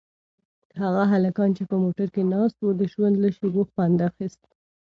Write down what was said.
هغه هلکان چې په موټر کې ناست وو د ژوند له شېبو خوند اخیست.